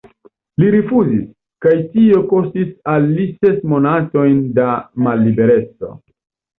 Li rifuzis, kaj tio kostis al li ses monatojn da mallibereco.